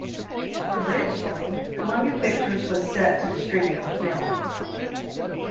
Originally, Columbia Pictures was set to distribute the film.